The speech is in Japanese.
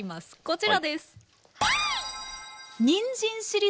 こちらです。